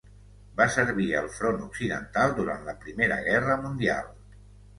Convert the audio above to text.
Va servir al front occidental durant la primera guerra mundial.